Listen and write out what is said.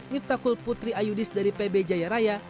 miftakul putri ayudis dari pb jaya raya